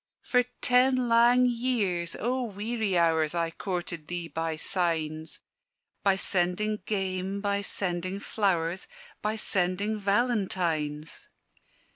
"For ten lang years, O weary hours! I coorted thee by signs; By sending game, by sending flowers, By sending Valentines.